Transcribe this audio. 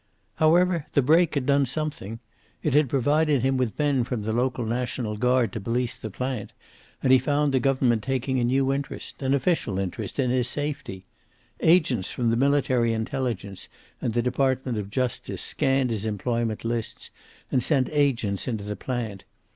However, the break had done something. It had provided him with men from the local National Guard to police the plant, and he found the government taking a new interest, an official interest, in his safety. Agents from the Military Intelligence and the Department of Justice scanned his employment lists and sent agents into the plant.